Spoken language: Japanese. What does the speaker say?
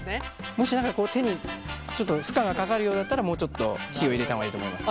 もし何か手に負荷が掛かるようだったらもうちょっと火を入れた方がいいと思います。